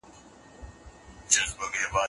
سياستپوهنه علم دی خو سياست هنر دی.